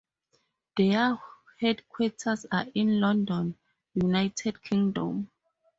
Their headquarters are in London, United Kingdom.